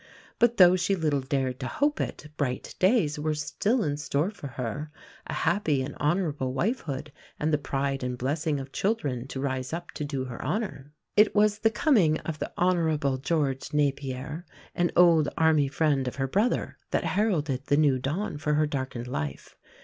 But though she little dared to hope it, bright days were still in store for her a happy and honourable wifehood, and the pride and blessing of children to rise up to do her honour. It was the coming of the Hon. George Napier, an old Army friend of her brother, that heralded the new dawn for her darkened life.